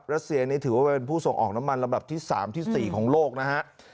รัสเซียนี่ถือว่าเป็นผู้ส่งออกน้ำมันลำดับที่๓ที่๔ของโลกนะฮะ